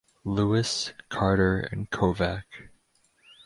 Lewis, Carter, and Kovac.